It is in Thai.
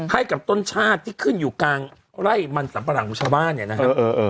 ให้กับต้นชาติที่ขึ้นอยู่กลางไร่มันสัมปะหลังของชาวบ้านเนี่ยนะครับ